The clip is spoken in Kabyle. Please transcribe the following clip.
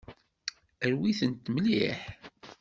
Rwit-ten mliḥ.